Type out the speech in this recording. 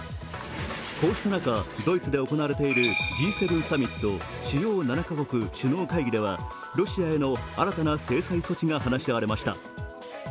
こうした中、ドイツで行われているＧ７サミット＝主要７か国首脳会議では、ロシアへの新たな制裁措置が話し合われました。